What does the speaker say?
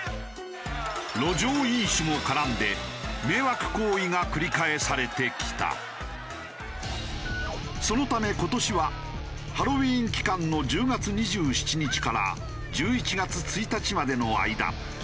路上飲酒も絡んでそのため今年はハロウィーン期間の１０月２７日から１１月１日までの間